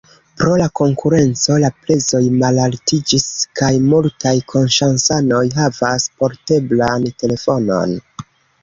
Pro la konkurenco la prezoj malaltiĝis kaj multaj kinŝasanoj havas porteblan telefonon.